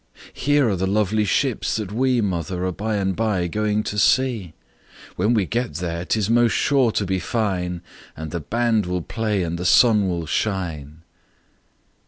"Here are the lovely ships that we, Mother, are by and by going to see! When we get there it's 'most sure to be fine, And the band will play, and the sun will shine!"